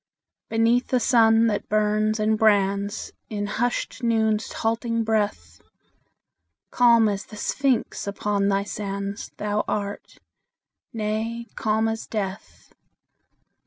Beneath the sun that burns and brands In hushed Noon's halting breath, Calm as the Sphinx upon thy sands Thou art nay, calm as death.